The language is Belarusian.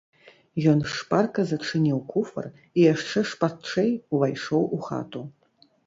Ён шпарка зачыніў куфар і яшчэ шпарчэй увайшоў у хату.